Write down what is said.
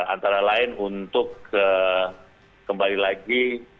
antara lain untuk kembali lagi